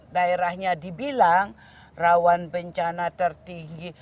daerahnya dibilang rawan bencana tertinggi